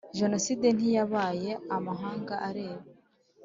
jenoside ntiyabaye amahanga areba?